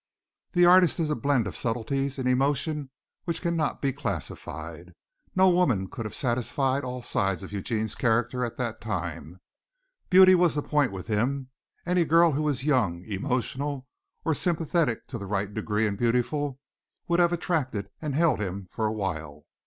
The artist is a blend of subtleties in emotion which can not be classified. No one woman could have satisfied all sides of Eugene's character at that time. Beauty was the point with him. Any girl who was young, emotional or sympathetic to the right degree and beautiful would have attracted and held him for a while.